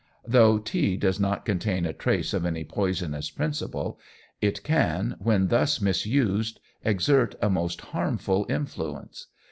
Though tea does not contain a trace of any poisonous principle, it can, when thus misused, exert a most harmful influence.